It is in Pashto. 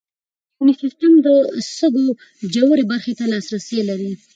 یوني سیسټم د سږو ژورې برخې ته لاسرسی لري.